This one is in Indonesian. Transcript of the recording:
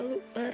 aku tanya mar